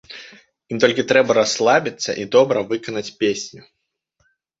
Ім толькі трэба расслабіцца і добра выканаць песню.